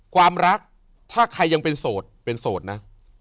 ความรักถ้าใครยังเป็นโสดเป็นโสดนะ